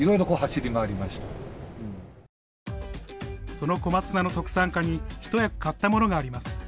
その小松菜の特産化に一役買ったものがあります。